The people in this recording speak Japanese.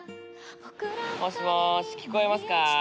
もしもし、聞こえますか？